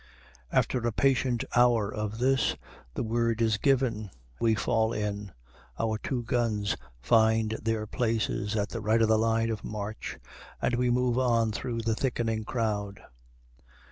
After a patient hour of this, the word is given, we fall in, our two guns find their places at the right of the line of march, we move on through the thickening crowd.